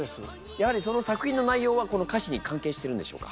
やはりその作品の内容はこの歌詞に関係してるんでしょうか？